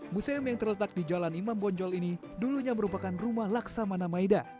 museum yang terletak di jalan imam bonjol ini dulunya merupakan rumah laksamana maeda